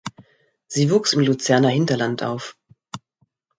Sie wuchs im Luzerner Hinterland auf.